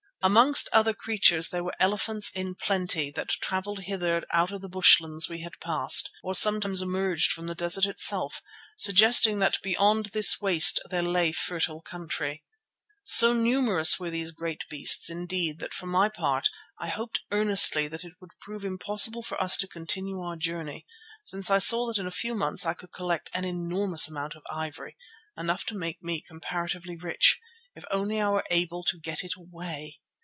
Amongst other creatures there were elephants in plenty that travelled hither out of the bushlands we had passed, or sometimes emerged from the desert itself, suggesting that beyond this waste there lay fertile country. So numerous were these great beasts indeed that for my part I hoped earnestly that it would prove impossible for us to continue our journey, since I saw that in a few months I could collect an enormous amount of ivory, enough to make me comparatively rich, if only I were able to get it away.